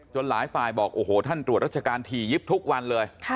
หลายฝ่ายบอกโอ้โหท่านตรวจรัชการถี่ยิบทุกวันเลย